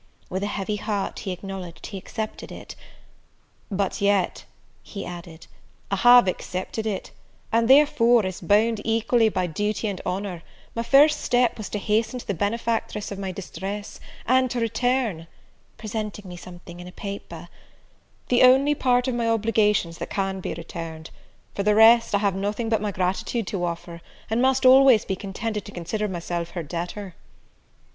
With a heavy heart, he acknowledged, he accepted it; "but yet," he added, "I have accepted it; and therefore, as bound equally by duty and honour, my first step was to hasten to the benefactress of my distress, and to return" (presenting me something in a paper) "the only part of my obligations that can be returned; for the rest, I have nothing but my gratitude to offer, and must always be contented to consider myself her debtor."